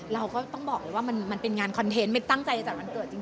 เราก็ต้องบอกเลยว่ามันเป็นงานคอนเทนต์ไม่ตั้งใจจัดวันเกิดจริง